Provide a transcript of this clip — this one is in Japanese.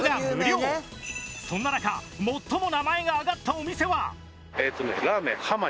そんな中最も名前が挙がったお店は。